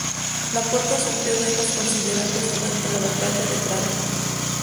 La puerta sufrió daños considerables durante la Batalla de Praga.